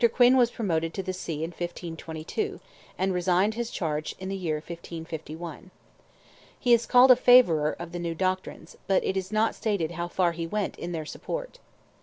Quin was promoted to the See in 1522, and resigned his charge in the year 1551. He is called a "favourer" of the new doctrines, but it is not stated how far he went in their support.